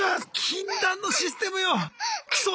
禁断のシステムよ！